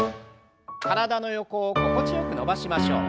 体の横を心地よく伸ばしましょう。